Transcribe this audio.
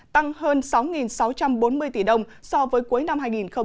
tăng hơn sáu sáu trăm bốn mươi tỷ đồng so với cuối năm hai nghìn một mươi tám